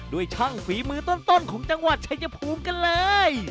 ช่างฝีมือต้นของจังหวัดชายภูมิกันเลย